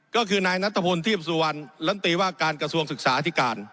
ก็คือนายนัทพลทีพสุวรรณลำตีว่าการกระทรวงศึกษาที่การ